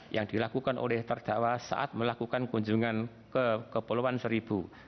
yang dilakukan oleh terdakwa saat melakukan kunjungan ke kepulauan seribu